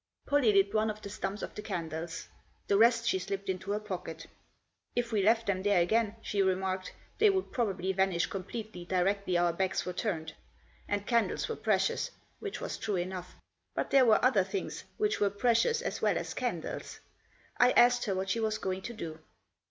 Pollie lit one of the stumps of the candles. The rest she slipped into her pocket. If we left them there again, she remarked, they would probably vanish completely directly our backs were turned, and candles were precious, which was true enough ; but there were other things which were precious as well as candles. I asked her what she was going to do.